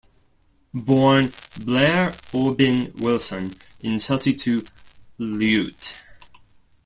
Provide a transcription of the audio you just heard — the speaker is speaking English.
Born Blair Aubyn Wilson in Chelsea to Lieut.